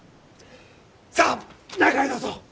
さあ中へどうぞ！